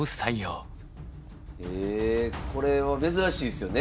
えこれは珍しいですよね？